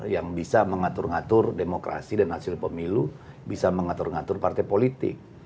yang bisa mengatur ngatur demokrasi dan hasil pemilu bisa mengatur ngatur partai politik